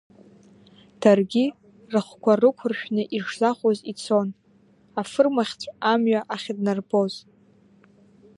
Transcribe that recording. Даргьы рыхқәа рықәыршәны ишзахәоз ицон, афырмахьҵә амҩа ахьыднарбоз.